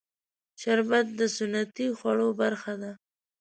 شربت د سنتي خوړو برخه ده